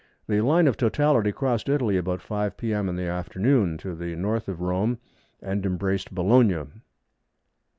The line of totality crossed Italy about 5 p.m. in the afternoon, to the N. of Rome, and embraced Bologna.